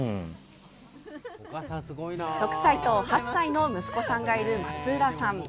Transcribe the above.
６歳と８歳の息子さんがいる松浦さん。